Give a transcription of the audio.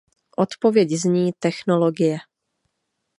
Odpověď zní technologie.